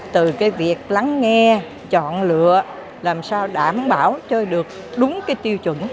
từ cái việc lắng nghe chọn lựa làm sao đảm bảo cho được đúng cái tiêu chuẩn